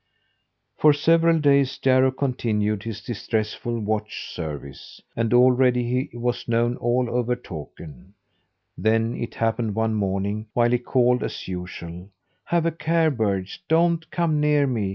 For several days Jarro continued his distressful watch service; and already he was known all over Takern. Then it happened one morning, while he called as usual: "Have a care, birds! Don't come near me!